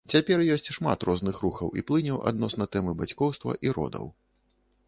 Цяпер ёсць шмат розных рухаў і плыняў адносна тэмы бацькоўства і родаў.